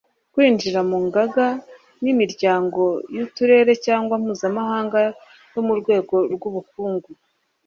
kwinjira mu ngaga n'imiryango y'uturere cyangwa mpuzamahanga yo mu rwego rw'ubukungu